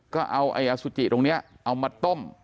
ก็เอาไอ้อสุจิตรงนี้เอามาต้ม